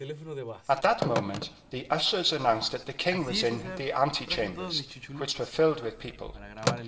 At that moment the ushers announced that the king was in the ante chambers, which were filled with people.